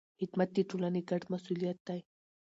خدمت د ټولنې ګډ مسؤلیت دی.